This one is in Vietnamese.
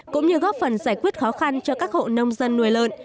cũng như góp phần giải quyết khó khăn cho các hộ nông dân nuôi lợn